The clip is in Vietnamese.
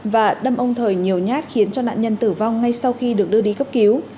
và đâm ông thời nhiều nhát khiến cho nạn nhân tử vong ngay sau khi được đưa đi cấp cứu